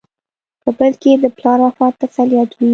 په بل کې یې د پلار وفات تسلیت وي.